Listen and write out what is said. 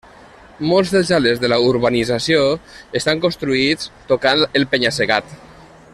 Molts dels xalets de la urbanització estan construïts tocant el penya-segat.